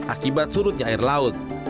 akibat surutnya air laut